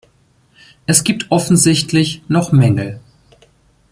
Es gibt offensichtlich noch Mängel.